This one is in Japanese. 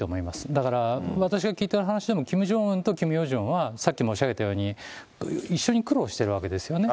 だから、私が聞いてる話でも、キム・ジョンウンとキム・ヨジョンは、さっき申し上げたように、一緒に苦労してるわけですよね。